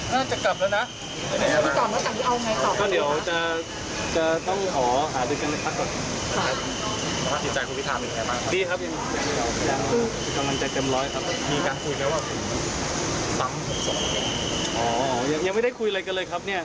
และภาคติดใจของคุณพิทาตอนเป็นแค่ไหนบ้าง